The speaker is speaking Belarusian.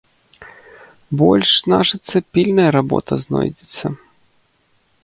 Больш, значыцца, пільная работа знойдзецца!